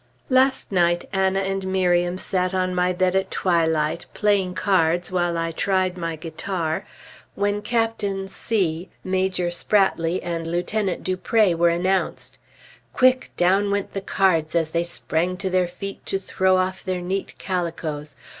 Last night Anna and Miriam sat on my bed at twilight, playing cards while I tried my guitar, when Captain C , Major Spratley, and Lieutenant Dupré were announced. Quick, down went the cards as they sprang to their feet to throw off their neat calicoes.